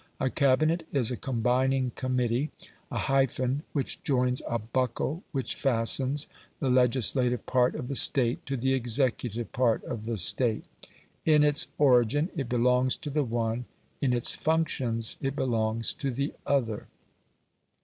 A Cabinet is a combining committee a hyphen which joins, a buckle which fastens, the legislative part of the State to the executive part of the State. In its origin it belongs to the one, in its functions it belongs to the other.